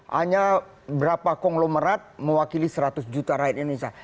hanya berapa konglomerat mewakili seratus juta rakyat indonesia